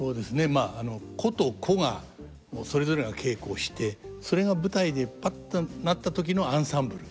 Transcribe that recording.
まあ個と個がそれぞれが稽古をしてそれが舞台でパッとなった時のアンサンブル？